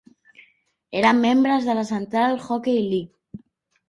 Eren membres de la Central Hockey League.